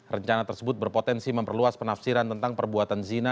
rencana tersebut berpotensi memperluas penafsiran tentang perbuatan zina